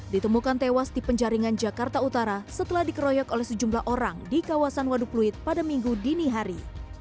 ditemukan tewas di penjaringan jakarta utara setelah dikeroyok oleh sejumlah orang di kawasan waduk pluit pada minggu dini hari